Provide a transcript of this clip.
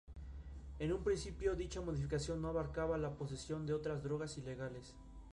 Se distribuye en la costa oeste tropical de África.